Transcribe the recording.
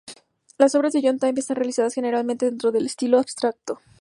Las obras de John Type están realizadas generalmente dentro del estilo abstracto.